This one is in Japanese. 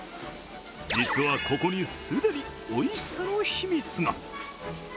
実は、ここに既においしさの秘密が。